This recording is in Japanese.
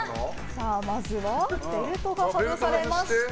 まずはベルトが外されまして。